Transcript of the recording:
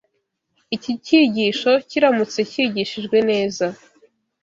Iki cyigisho kiramutse cyigishijwe neza